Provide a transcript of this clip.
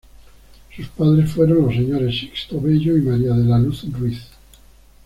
Sus padres fueron los señores Sixto Bello y María de la Luz Ruiz.